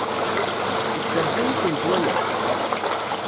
Yesserfay-ikent waya?